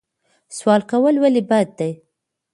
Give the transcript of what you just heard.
سوال کول ولې بد دي؟